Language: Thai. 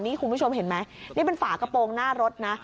นี่คุณผู้ชมเห็นไหมนี่เป็นฝากระโปรงหน้ารถนะ